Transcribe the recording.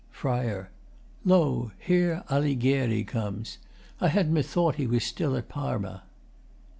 FRI. Lo! Here Alighieri comes. I had methought me he was still at Parma.